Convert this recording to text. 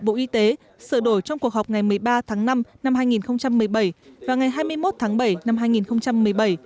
bộ y tế sửa đổi trong cuộc họp ngày một mươi ba tháng năm năm hai nghìn một mươi bảy và ngày hai mươi một tháng bảy năm hai nghìn một mươi bảy